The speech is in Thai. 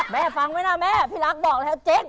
แม่ฟังไหมนะแม่